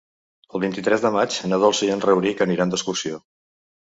El vint-i-tres de maig na Dolça i en Rauric aniran d'excursió.